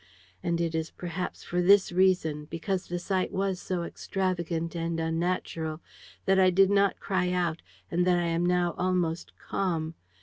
And it is perhaps for this reason, because the sight was so extravagant and unnatural, that I did not cry out and that I am now almost calm.